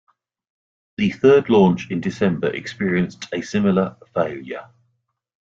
The third launch in December experienced a similar failure.